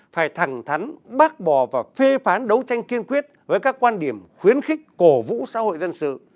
phải thẳng thắn bác bò và phê phán đấu tranh kiên quyết với các quan điểm khuyến khích cổ vũ xã hội dân sự